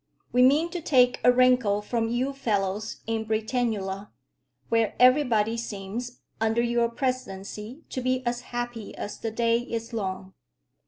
We mean to take a wrinkle from you fellows in Britannula, where everybody seems, under your presidency, to be as happy as the day is long."